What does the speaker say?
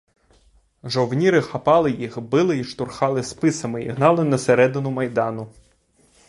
Жовніри хапали їх, били й штурхали списами і гнали на середину майдану.